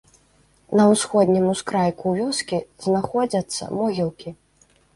На усходнім ускрайку вёскі знаходзяцца могілкі.